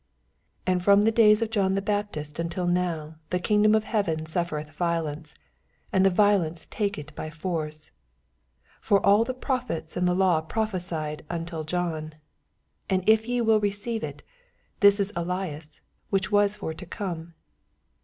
12 And firom the days of John the Baptist until now the kingdom of heaven suffereth violence, and tha violent take it by force. 18 For all the Prophets and th« Law prophesied until John. 14 And if ye will receive it, this is Ellas, which was for to come.